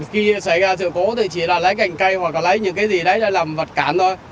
khi xảy ra sự cố thì chỉ là lấy cành cây hoặc là lấy những cái gì đấy làm vật cản thôi